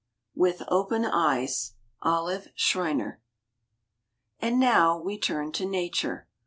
WITH OPEN EYES. OLIVE SCHREINER. ... And now we turn to nature.